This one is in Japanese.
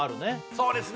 そうですね